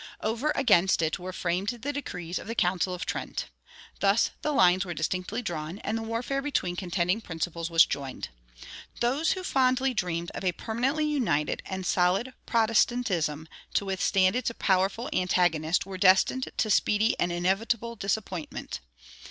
Over against it were framed the decrees of the Council of Trent. Thus the lines were distinctly drawn and the warfare between contending principles was joined. Those who fondly dreamed of a permanently united and solid Protestantism to withstand its powerful antagonist were destined to speedy and inevitable disappointment.